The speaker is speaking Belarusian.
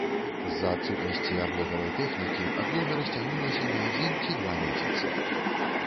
З-за адсутнасці аблогавай тэхнікі аблога расцягнулася на адзін ці два месяцы.